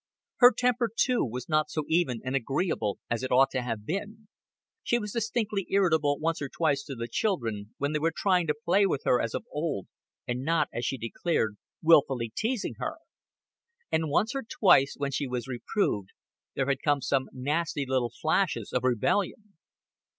Her temper, too, was not so even and agreeable as it ought to have been. She was distinctly irritable once or twice to the children, when they were trying to play with her as of old, and not, as she declared, wilfully teasing her. And once or twice when she was reproved, there had come some nasty little flashes of rebellion.